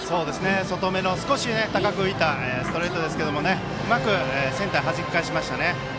外めの少し高く浮いたストレートですけど、うまくセンターへはじき返しました。